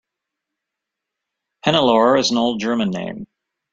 Hannelore is an old German name.